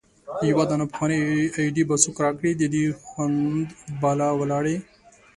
يو دانه پخوانۍ ايډي به څوک را کړي د دې خوند بالا ولاړی